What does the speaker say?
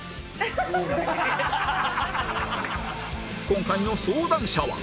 今回の相談者は